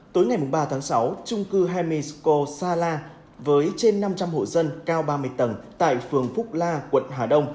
tối ngày ba tháng sáu trung cư hai mexico sala với trên năm trăm linh hộ dân cao ba mươi tầng tại phường phúc la quận hà đông